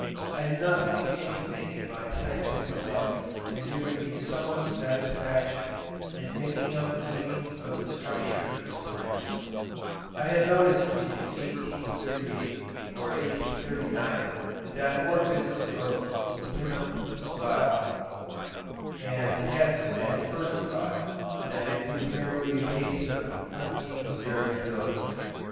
I do not think anything in my scientific life has given me so much satisfaction as making out the meaning of the structure of these plants. I had noticed in 1838 or 1839 the dimorphism of Linum flavum, and had at first thought that it was merely a case of unmeaning variability.